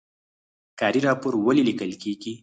کاري راپور ولې لیکل کیږي؟